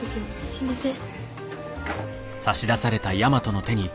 すいません。